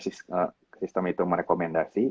sistem itu merekomendasi